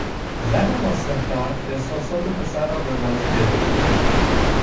زن مسنتر احساسات پسر را به بازی گرفته بود.